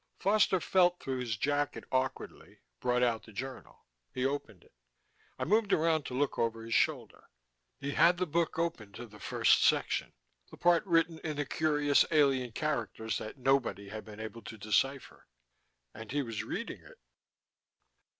Foster felt through his jacket awkwardly, brought out the journal. He opened it. I moved around to look over his shoulder. He had the book open to the first section, the part written in the curious alien characters that nobody had been able to decipher. And he was reading it.